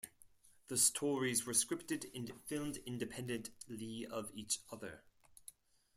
The stories were scripted and filmed independently of each other.